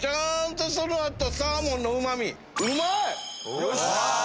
よし！